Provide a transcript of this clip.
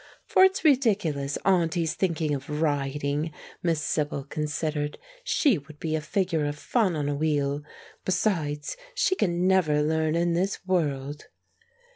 "For it's ridiculous, auntie's thinking of riding!" Miss Sibyl considered. "She would be a figure of fun on a wheel; besides, she can never learn in this world!"